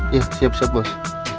iya siap siap bos